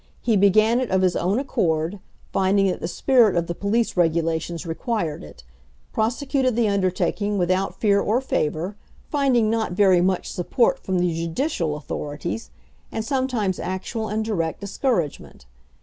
He began it of his own accord, finding that the spirit of the police regulations required it; prosecuted the undertaking without fear or favor, finding not very much support from the judicial authorities, and sometimes actual and direct discouragement.